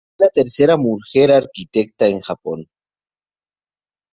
Fue la tercera mujer arquitecta en Japón.